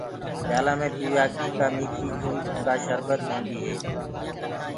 پيآلآ مي پيوآ ڪي ڪآ مٺي چيٚج سربت وگيرا هوندو هي۔